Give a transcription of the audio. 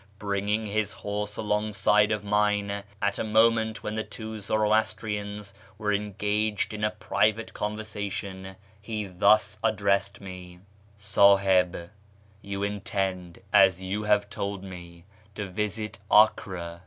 Bringing his horse alongside of mine at a moment when the two Zoroastrians were engaged in private conversation, he thus addressed me :—" Sahib, you intend, as you have told me, to visit Acre.